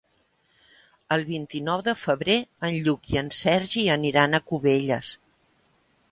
El vint-i-nou de febrer en Lluc i en Sergi aniran a Cubelles.